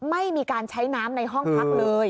ไม่มีการใช้น้ำในห้องพักเลย